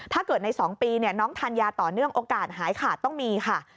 ถ้าเกิดใน๒ปีน้องทานยาต่อเนื่องโอกาสหายขาดต้องมีค่ะ